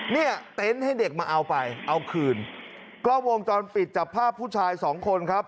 เนี่ยเต้นให้เด็กมาเอาไปเอาคืนก็วงจอดปิดจับภาพผู้ชายสองคนครับ